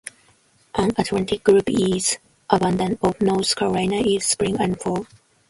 An Atlantic group is abundant off North Carolina in spring and fall.